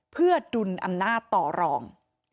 เพื่อดุลอำนาจต่อรอง